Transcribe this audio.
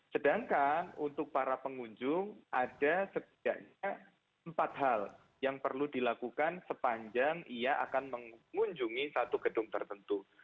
sedangkan untuk para pengunjung ada setidaknya empat hal yang perlu dilakukan sepanjang ia akan mengunjungi satu gedung tertentu